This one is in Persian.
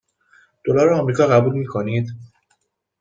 دلار آمریکا قبول می کنید؟